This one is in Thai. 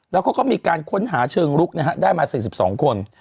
แล้วก็มีการค้นหาเชิงลุกได้มา๔๒คน